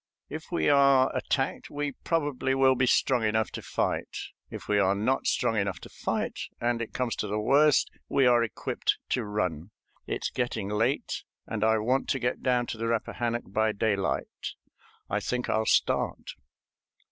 If we are attacked, we probably will be strong enough to fight. If we are not strong enough to fight, and it comes to the worst, we are equipped to run. It's getting late, and I want to get down to the Rappahannock by daylight. I think I'll start."